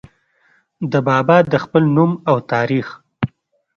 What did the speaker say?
د بابا د خپل نوم او تاريخ